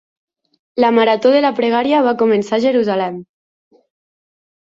La marató de la pregària va començar a Jerusalem.